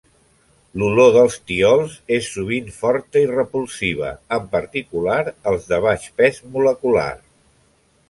L'olor de tiols és sovint forta i repulsiva, en particular els de baix pes molecular.